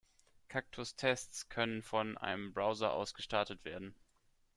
Cactus Tests können von einem Browser aus gestartet werden.